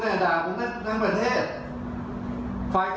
ฝ่ายกำหนดก็ด่าผมทั้งประเทศแล้วคุณเป็นนับแชร์การยังไง